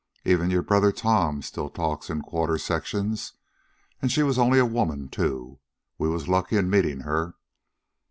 Even your brother Tom still talks in quarter sections. An' she was only a woman, too. We was lucky in meetin' her."